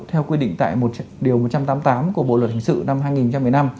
theo quy định tại một trăm tám mươi tám của bộ luật hình sự năm hai nghìn một mươi năm